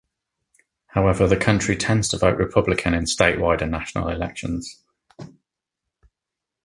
However, the county tends to vote Republican in statewide and national elections.